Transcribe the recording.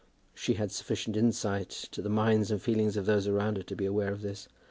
She had sufficient insight to the minds and feelings of those around her to be aware of this.